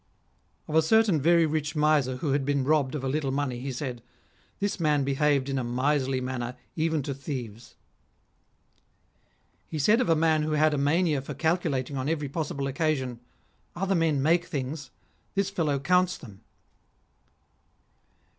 Of a certain very rich miser who had been robbed of a little money, he said :" This man behaved in a miserly manner even to thieves." He said of a man who had a mania for calculating on every possible occasion :" Other men make things ; this fellow counts them."